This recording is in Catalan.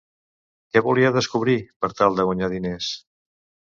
Què volia descobrir, per tal de guanyar diners?